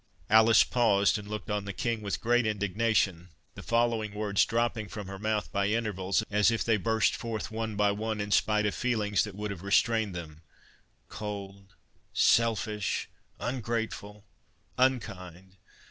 Alice paused, and looked on the King with great indignation, the following words dropping from her mouth by intervals, as if they burst forth one by one in spite of feelings that would have restrained them—"Cold—selfish—ungrateful—unkind!